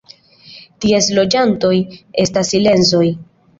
Ties loĝantoj estas silezoj.